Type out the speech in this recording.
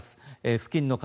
付近の方